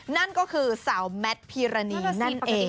นั่นก็คือสาวแมทพีรณีนั่นเอง